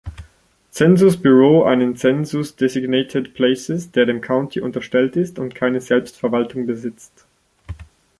Census Bureau einen Census-designated places, der dem County unterstellt ist und keine Selbstverwaltung besitzt.